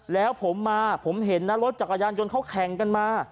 แล้วผมมาผมเห็นนะรถจักรยานยนต์เขาแข่งกันมา